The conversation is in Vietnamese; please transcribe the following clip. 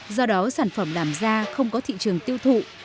do đó sản phẩm làm ra không có thị trường tiêu thụ